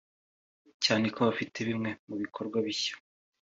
cyane ko bafite bimwe mu bikorwa bishya